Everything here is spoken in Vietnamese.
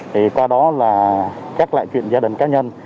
thì qua đó là các loại chuyện gia đình cá nhân